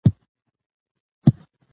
ډاکټران د اوږدمهاله زیانونو مخنیوی کوي.